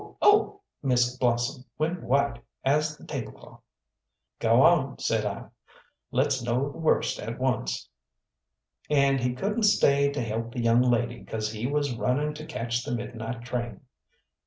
Oh!" Miss Blossom went white as the tablecloth. "Go on," said I, "let's know the worst at once." "And he couldn't stay to help the young lady, 'cause he was running to catch the midnight train."